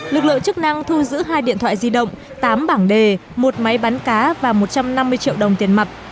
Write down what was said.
lực lượng chức năng thu giữ hai điện thoại di động tám bảng đề một máy bắn cá và một trăm năm mươi triệu đồng tiền mặt